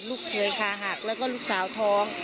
ลูกเคยคาหักแล้วก็ลูกสาวท้อง